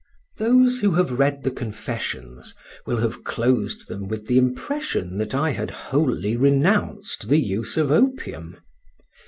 Those who have read the Confessions will have closed them with the impression that I had wholly renounced the use of opium.